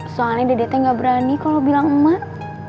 soalnya dede teh gak berani kalo bilang emak